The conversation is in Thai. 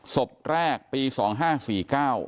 ศพแรกปี๒๕๔๙